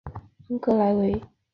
昂格维莱。